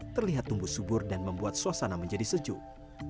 terlihat tumbuh subur dan membuat suasana menjadi sejuk